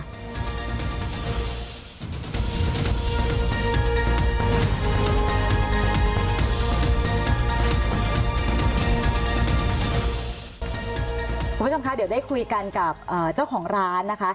คุณผู้ชมคะเดี๋ยวได้คุยกันกับเจ้าของร้านนะคะ